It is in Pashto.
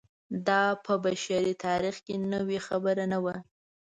دا په بشري تاریخ کې نوې خبره نه وه.